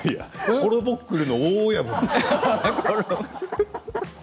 コロボックルの大親分だよ。